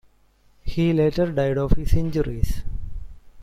He later died of his injuries.